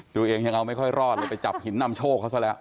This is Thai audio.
ตัวเองยังเอาไม่ค่อยรอดเลยไปจับหินนำโชคเขาซะแล้ว